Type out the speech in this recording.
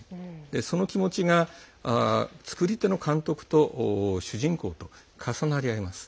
その気持ちが作り手の監督と主人公と重なり合います。